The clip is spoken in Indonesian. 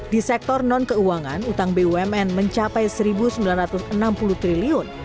di sektor non keuangan utang bumn mencapai rp satu sembilan ratus enam puluh triliun